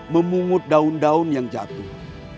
memungut daun daun yang jatuh